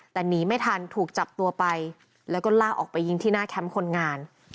แต่หนีไม่ทันถูกจับตัวไปแล้วก็ลากออกไปยิงที่หน้าแคมป์คนงาน